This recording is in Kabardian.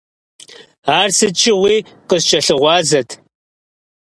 Ар сыт щыгъуи къыскӏэлъыгъуазэт.